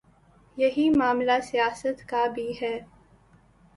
یہی معاملہ سیاست کا بھی ہے۔